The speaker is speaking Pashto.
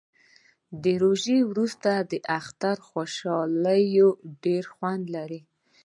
د روژې وروسته د اختر خوشحالي ډیر خوند لري